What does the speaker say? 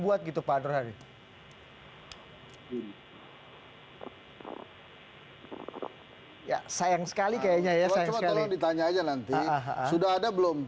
buat gitu padu hari ya sayang sekali kayaknya ya saya kecil ditanya aja nanti sudah ada belum